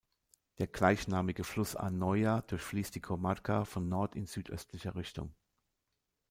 Der gleichnamigen Fluss Anoia durchfließt die Comarca von Nord in südöstlicher Richtung.